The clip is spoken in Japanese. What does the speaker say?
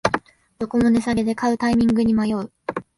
どこも値下げで買うタイミングに迷う